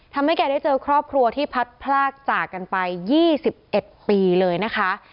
แกได้เจอครอบครัวที่พัดพลากจากกันไป๒๑ปีเลยนะคะ